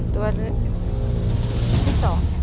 ตัวเลือกที่๒